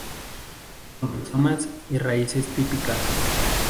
Con rizomas y raíces típicas.